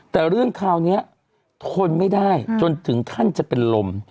แต่เรื่องคราวนี้ทนไม่ได้จนถึงขั้นจะเป็นลม